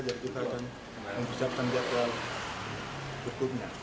jadi kita akan mempersiapkan jadwal berikutnya